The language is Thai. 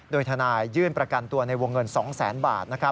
โดยทนายยื่นประกันตัวในวงเงิน๒๐๐๐๐บาท